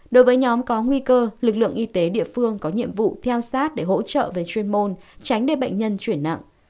đối với nhóm có nguy cơ lực lượng y tế địa phương có nhiệm vụ theo sát để hỗ trợ về chuyên môn tránh để bệnh nhân chuyển nặng